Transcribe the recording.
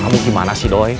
kamu gimana sih doi